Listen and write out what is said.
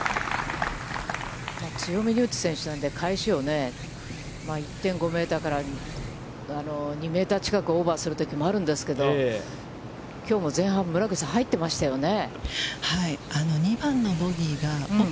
強めに打つ選手なんで、返しを、１．５メートルから２メートル近くオーバーするときもあるんですけど、きょうも前半、村口さん、入ってましたよね。